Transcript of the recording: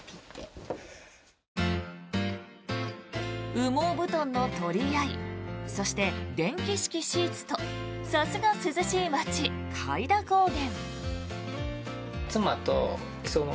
羽毛布団の取り合いそして電気式シーツとさすが、涼しい町・開田高原。